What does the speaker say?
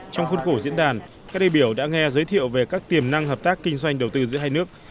trong khuôn khổ diễn đàn các đại biểu đã nghe giới thiệu về các tiềm năng hợp tác kinh doanh đầu tư giữa hai nước